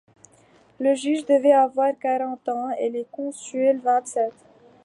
Le juge devait avoir quarante ans, et les consuls vingt-sept.